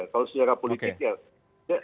kalau secara politik ya